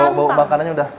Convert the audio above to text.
ini bau bau bakarannya udah